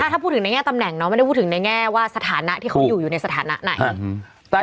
ถ้าพูดถึงในแง่ตำแหน่งน้องไม่ได้พูดถึงในแง่ว่าสถานะที่เขาอยู่อยู่ในสถานะไหน